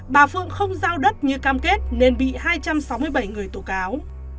bà phượng không giao đất như cam kết nên bị hai trăm sáu mươi bảy người tố cáo